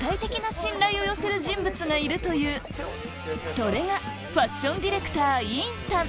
それがファッションディレクター尹さん